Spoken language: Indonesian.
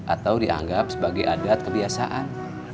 atau dianggap sebagai adat kebiasaan